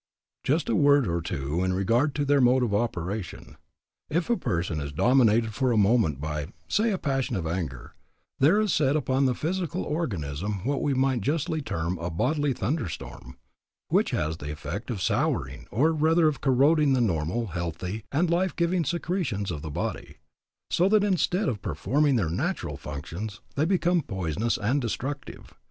Just a word or two in regard to their mode of operation. If a person is dominated for a moment by, say a passion of anger, there is set up in the physical organism what we might justly term a bodily thunder storm, which has the effect of souring, or rather of corroding, the normal, healthy, and life giving secretions of the body, so that instead of performing their natural functions they become poisonous and destructive.